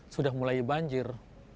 sudah mulai banjir